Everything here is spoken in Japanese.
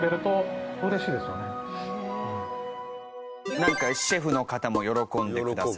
なんかシェフの方も喜んでくださる。